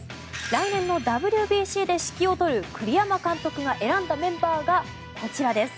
来年のＷＢＣで指揮を執る栗山監督が選んだメンバーがこちらです。